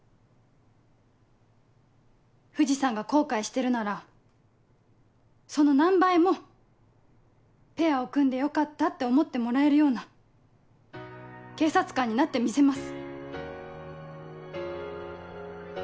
藤さんが後悔してるならその何倍もペアを組んでよかったって思ってもらえるような警察官になってみせます。